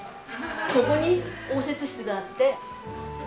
ここに応接室があって。